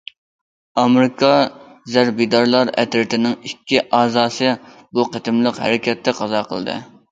ئامېرىكا زەربىدارلار ئەترىتىنىڭ ئىككى ئەزاسى بۇ قېتىملىق ھەرىكەتتە قازا قىلدى.